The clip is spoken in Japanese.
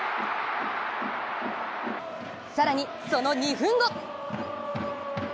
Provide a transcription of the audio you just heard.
更にその２分後！